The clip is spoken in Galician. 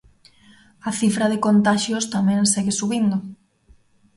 A cifra de contaxios tamén segue subindo.